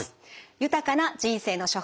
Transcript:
「豊かな人生の処方せん」